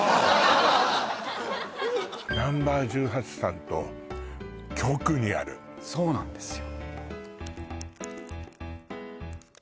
Ｎｏ．１８さんとそうなんですよ